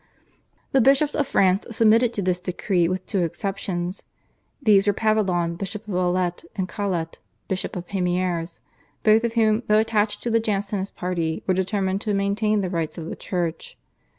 The bishops of France submitted to this decree with two exceptions. These were Pavillon, bishop of Alet, and Caulet, bishop of Pamiers, both of whom though attached to the Jansenist party were determined to maintain the rights of the Church.